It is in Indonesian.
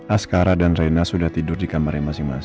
askara dan reina sudah tidur di kamar yang masing masing